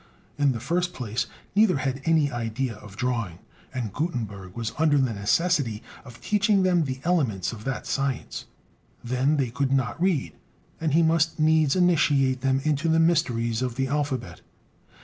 In the first place, neither had any idea of drawing, and Gutenberg was under the necessity of teaching them the elements of that science; then they could not read, and he must needs initiate them into the mysteries of the alphabet.